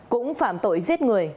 cũng phạm tội giết người